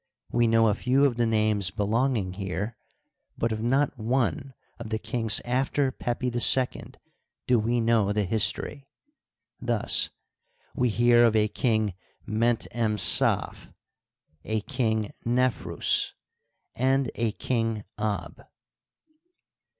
We know a few of the names belonging here, but of not one of the king^ after Pepi II do we know the history. Thus we hear of a King Ment em Saf, a King Nefrus^ and a King Ab.